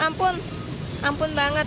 ampun ampun banget